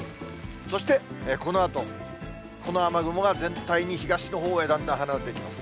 そしてこのあと、この雨雲が全体に東のほうへだんだん離れていきます。